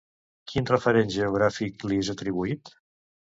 Quin referent geogràfic li és atribuït?